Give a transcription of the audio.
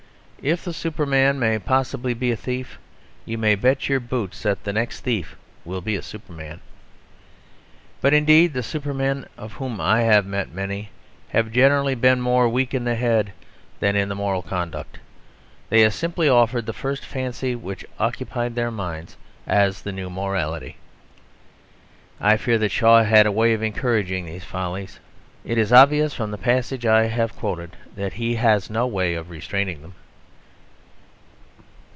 If the Superman may possibly be a thief, you may bet your boots that the next thief will be a Superman. But indeed the Supermen (of whom I have met many) have generally been more weak in the head than in the moral conduct; they have simply offered the first fancy which occupied their minds as the new morality. I fear that Shaw had a way of encouraging these follies. It is obvious from the passage I have quoted that he has no way of restraining them.